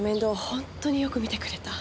本当によく見てくれた。